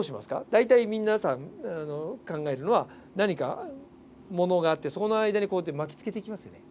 大体皆さん考えるのは何かものがあってその間に巻きつけてきますよね。